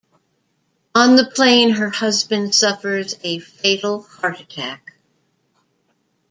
On the plane, her husband suffers a fatal heart attack.